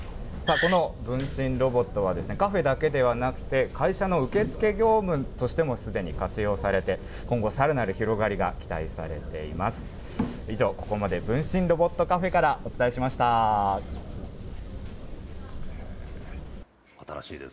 この分身ロボットは、カフェだけではなくて、会社の受け付け業務としてもすでに活用されて、今後、さらなる広がりが期待されています。